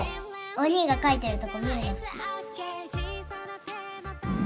お兄が描いてるとこ見るの好き。